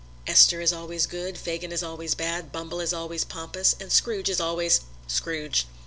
Esther is always good, Fagin is always bad, Bumble is always pompous, and Scrooge is always Scrooge.